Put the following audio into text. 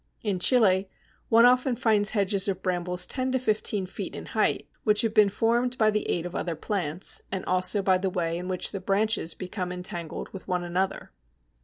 In Chile one often finds hedges of Brambles ten to fifteen feet in height, which have been formed by the aid of other plants, and also by the way in which the branches become entangled with one another.